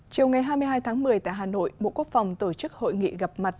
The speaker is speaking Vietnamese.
chiều ngày hai mươi hai tháng một mươi tại hà nội bộ quốc phòng tổ chức hội nghị gặp mặt